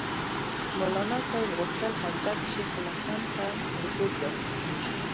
مولناصاحب غوښتل حضرت شیخ الهند ته رپوټ ورکړي.